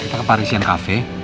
kita ke parisian cafe